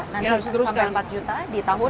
nanti sampai empat juta di tahun